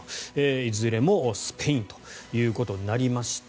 いずれもスペインということになりました。